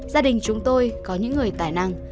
gia đình chúng tôi có những người tài năng